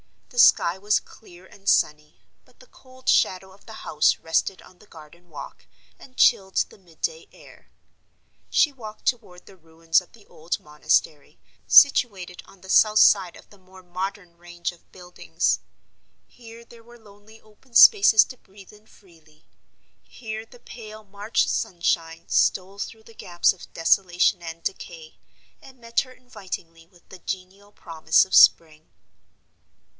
The sky was clear and sunny; but the cold shadow of the house rested on the garden walk and chilled the midday air. She walked toward the ruins of the old monastery, situated on the south side of the more modern range of buildings. Here there were lonely open spaces to breathe in freely; here the pale March sunshine stole through the gaps of desolation and decay, and met her invitingly with the genial promise of spring.